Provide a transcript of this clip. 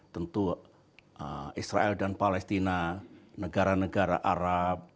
tentu israel dan palestina negara negara arab